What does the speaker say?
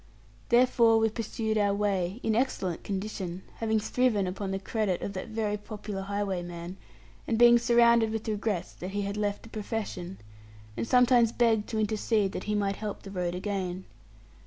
Therefore we pursued our way, in excellent condition, having thriven upon the credit of that very popular highwayman, and being surrounded with regrets that he had left the profession, and sometimes begged to intercede that he might help the road again.